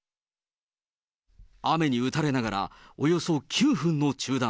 雨に打たれながら、およそ９分の中断。